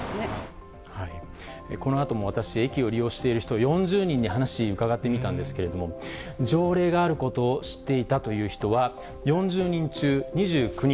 このあとも私、駅を利用している人４０人に話伺ってみたんですけれども、条例があることを知っていたという人は、４０人中２９人。